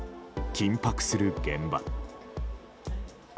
緊迫する現場。